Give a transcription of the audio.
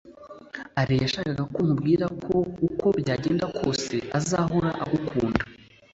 alain yashakaga ko nkubwira ko uko byagenda kose, azahora agukunda